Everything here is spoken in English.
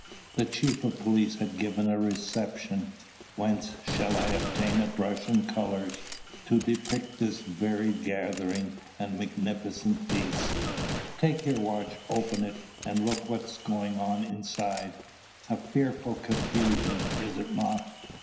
The chief of police had given a reception. Whence shall I obtain the brush and colours to depict this varied gathering and magnificent feast? Take your watch, open it, and look what is going on inside. A fearful confusion, is it not?